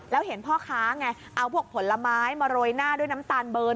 แล้วเห็นพ่อค้าไงเอาพวกผลไม้มาโรยหน้าด้วยน้ำตาลเบิร์น